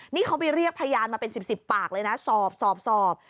นี่เขาไปเรียกพยานมาเป็น๑๐ปากเลยนะสอบสอบ